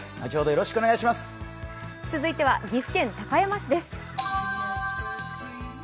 続いては岐阜県高山市です。